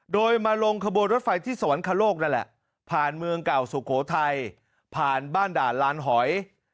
โดยมาลงขบวนรถไฟที่สวรรคโลกนั่นแหละผ่านเมืองเก่าสุโขทัยผ่านบ้านด่านลานหอย